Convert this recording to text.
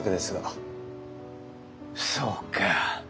そうか。